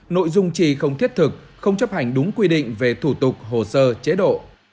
nội dung chi không thiết thực không chấp hành đúng quy định về thủ tục hồ sơ chế độ